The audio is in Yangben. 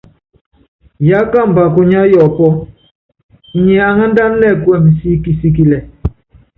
Yákamba kunya yɔpɔ́, inyi anándána nɛkuɛmɛ sikikisikilɛ.